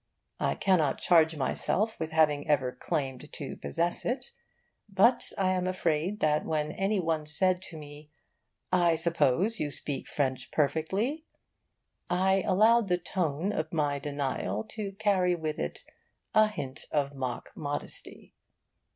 I cannot charge myself with having ever claimed to possess it; but I am afraid that when any one said to me 'I suppose you speak French perfectly?' I allowed the tone of my denial to carry with it a hint of mock modesty.